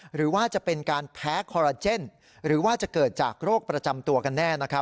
หรือว่าจะเป็นการแพ้คอลลาเจนหรือว่าจะเกิดจากโรคประจำตัวกันแน่